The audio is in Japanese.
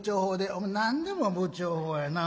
「お前何でも不調法やな」。